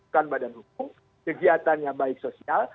kegiatannya baik sosial